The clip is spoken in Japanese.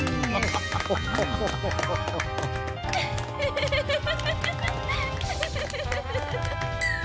フフフフフ。